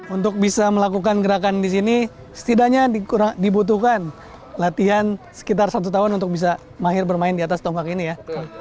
untuk bisa melakukan gerakan di sini setidaknya dibutuhkan latihan sekitar satu tahun untuk bisa mahir bermain di atas tonggak ini ya